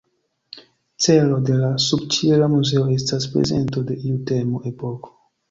Celo de la subĉiela muzeo estas prezento de iu temo, epoko.